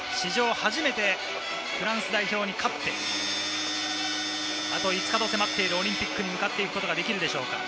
初めてフランス代表に勝って、あと５日と迫っているオリンピックに向かうことができるでしょうか。